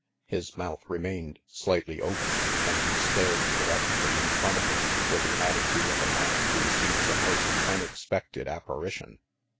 His mouth remained slightly open, and he stared directly in front of him with the attitude of a man who sees a most unexpected apparition.